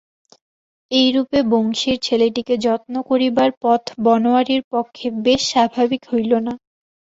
এইরূপে বংশীর ছেলেটিকে যত্ন করিবার পথ বনোয়ারির পক্ষে বেশ স্বাভাবিক হইল না।